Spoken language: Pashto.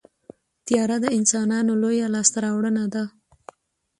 طیاره د انسانانو لویه لاسته راوړنه ده.